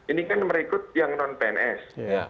ini kan merekrut yang non pns